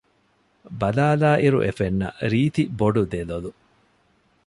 ބަލާލާއިރު އެފެންނަ ރީތި ބޮޑު ދެލޮލު